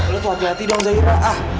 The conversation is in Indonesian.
lo tuh hati hati dong zahira